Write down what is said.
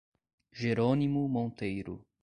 Jerônimo Monteiro